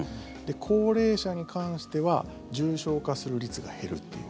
高齢者に関しては重症化する率が減るっていう。